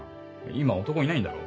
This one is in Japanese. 今男いないんだろ？